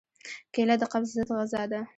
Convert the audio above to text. کېله د قبض ضد غذا ده.